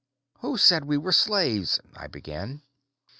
'" "Who said we were slaves " I began.